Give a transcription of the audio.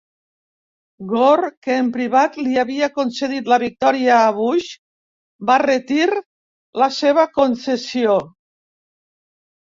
Gore, que en privat li havia concedit la victòria a Bush, va retir la seva concessió.